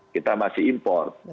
kita masih import